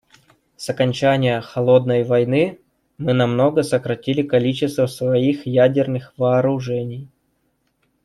С окончания "холодной войны" мы намного сократили количество своих ядерных вооружений.